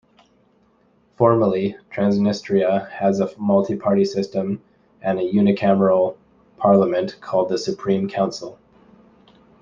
Formally, Transnistria has a multi-party system and a unicameral parliament, called the Supreme Council.